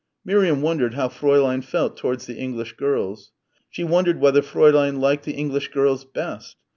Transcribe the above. Miriam wondered how Fräulein felt towards the English girls. She wondered whether Fräulein liked the English girls best....